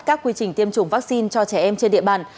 các quy trình tiêm chủng vaccine cho trẻ em trên địa bàn